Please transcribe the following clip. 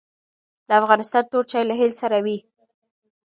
د افغانستان تور چای له هل سره وي